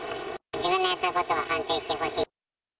自分がやったことを反省してほしい。